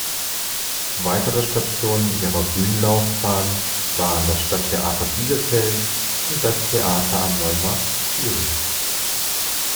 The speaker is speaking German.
Weitere Stationen ihrer Bühnenlaufbahn waren das Stadttheater Bielefeld und das Theater am Neumarkt Zürich.